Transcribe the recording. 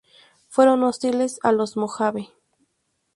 Fueron hostiles a los mojave.